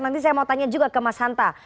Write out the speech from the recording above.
nanti saya mau tanya juga ke mas hanta